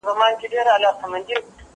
زه به سبا زده کړه کوم